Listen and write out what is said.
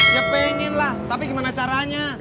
ya pengen lah tapi gimana caranya